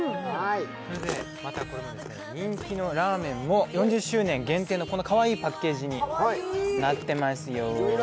人気のラーメンも４０周年限定のかわいいパッケージになってますよ。